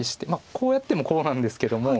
こうやってもこうなんですけども。